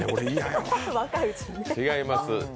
違います。